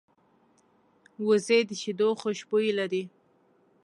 وزې د شیدو خوشبويي لري